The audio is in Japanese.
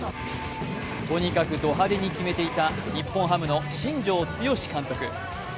とにかくド派手に決めていた日本ハムの新庄剛志監督。